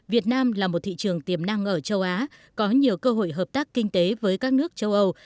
việt nam là một thị trường tiềm năng ở châu á có nhiều cơ hội hợp tác kinh tế với các nước châu âu